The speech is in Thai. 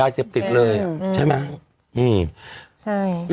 ยาเสพติดเลยใช่ไหม